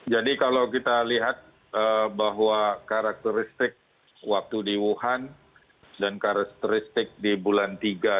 jadi kalau kita lihat bahwa karakteristik waktu di wuhan dan karakteristik di bulan tiga dua ribu dua puluh